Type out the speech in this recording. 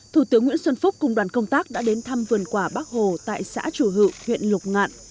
thủ tướng nguyễn xuân phúc cùng đoàn công tác đã đến thăm vườn quả bắc hồ tại xã chùa hự huyện lục ngạn